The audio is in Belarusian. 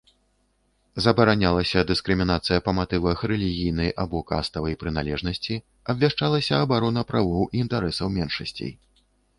Забаранялася дыскрымінацыя па матывах рэлігійнай або каставай прыналежнасці, абвяшчалася абарона правоў і інтарэсаў меншасцей.